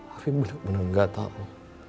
afif benar benar enggak tahu